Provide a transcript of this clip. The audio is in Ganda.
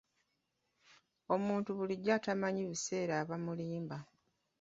Omuntu bulijjo atamanyi biseera aba mulimba.